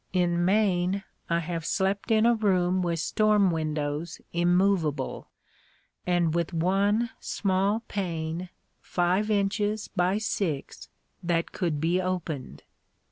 In Maine I have slept in a room with storm windows immovable, and with one small pane five inches by six, that could be opened.